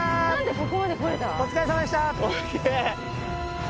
お疲れさまでした！